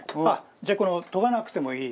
じゃあこの研がなくてもいい。